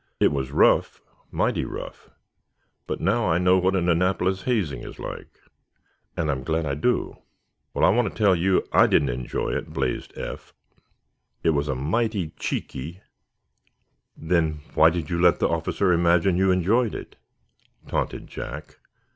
"It was rough—mighty rough—but now I know what an Annapolis hazing is like, and I'm glad I do." "Well, I want to tell you I didn't enjoy it," blazed Eph. "It was a mighty cheeky—" "Then why did you let the officer imagine you enjoyed it?" taunted Jack.